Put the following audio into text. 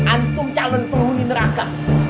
antum calon penghuni neraka